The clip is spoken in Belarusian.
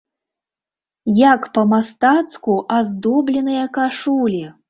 Як па-мастацку аздобленыя кашулі!